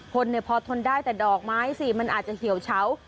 คนพอทนได้แต่ดอกไม้สิมันอาจจะเหี่ยวเฉา